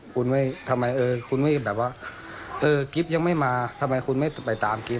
คุณไม่ทำไมเออคุณไม่แบบว่าเออกิ๊บยังไม่มาทำไมคุณไม่ไปตามกิ๊